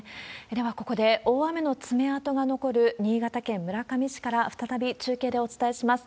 ではここで、大雨の爪痕が残る、新潟県村上市から、再び中継でお伝えします。